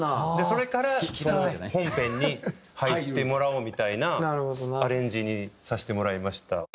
それから本編に入ってもらおうみたいなアレンジにさせてもらいました。